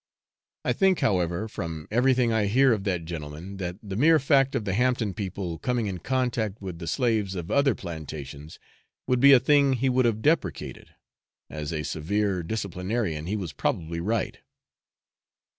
I think, however, from everything I hear of that gentleman, that the mere fact of the Hampton people coming in contact with the slaves of other plantations would be a thing he would have deprecated. As a severe disciplinarian, he was probably right.